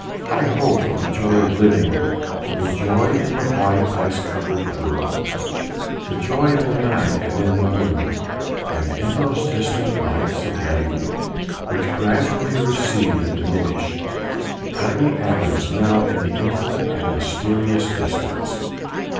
Heigh ho! for the joy of living, for the joy in the white, ice covered world, the joy in the night, and in the moon, and in those distant lights of Leyden which gradually recede and diminish tiny atoms now in the infinite and mysterious distance!